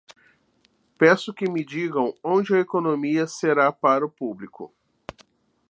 Peço que me digam onde a economia será para o público.